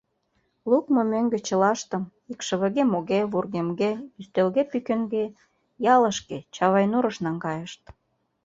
Лукмо мӧҥгӧ чылаштым — икшывыге-моге, вургемге, ӱстелге-пӱкенге — ялышке, Чавайнурыш, наҥгайышт.